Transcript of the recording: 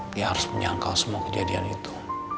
dia harus menyangkal semua kejadian itu